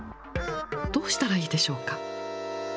どうしたらいいでしょうか。